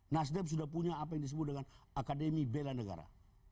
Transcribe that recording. nasdem sudah punya apa yang disebut dengan akademi bela negara